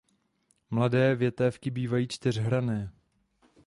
Mladé větévky bývají čtyřhranné.